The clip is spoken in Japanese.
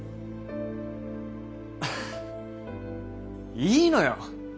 いいのよ。